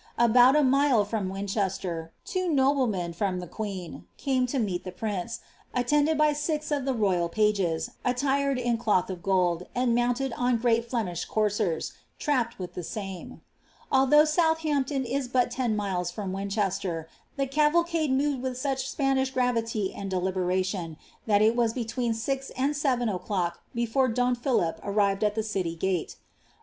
^ About a mde from Winchester, tvo noblemen, from the queen, came to meet the prince, attended by six of the royal pages, attired in cloth of gold, and mounted on great Flenusb coursers, trapped with the same. Although Southampton is but ten miles from Winchester, the caval cade moved with such Spanish gravity and deliberation, that it was between six and seven o'clock before don Philip arrived at the city fate.